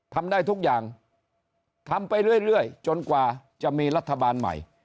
ทำได้ทุกอย่างทำไปเรื่อยจนกว่าจะมีรัฐบาลใหม่